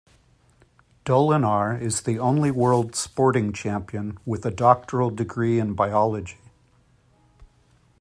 Dolinar is the only world sporting champion with a doctoral degree in biology.